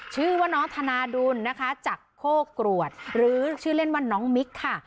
ชื่อว่าน้องธนาดุลนะคะจากโคกรวดหรือชื่อเล่นว่าน้องมิกค่ะ